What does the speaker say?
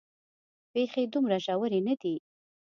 پېښې دومره ژورې نه دي.